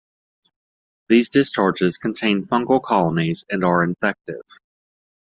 These discharges contain fungal colonies and are infective.